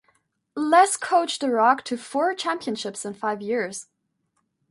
Les coached the Rock to four championships in five years.